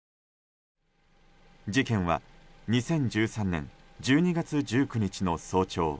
事件は２０１３年１２月１９日の早朝